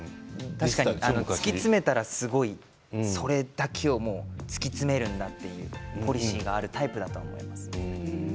確かに突き詰めたらすごいそれだけを突き詰めるんだっていうポリシーがあるタイプだと思います。